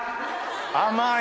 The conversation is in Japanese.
甘い！